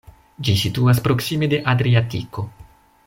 Ĝi situas proksime de Adriatiko.